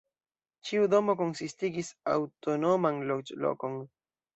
Ĉiu domo konsistigis aŭtonoman loĝlokon.